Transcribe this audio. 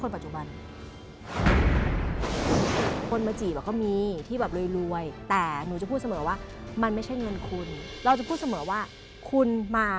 เพศไหนเป็นพิเศษ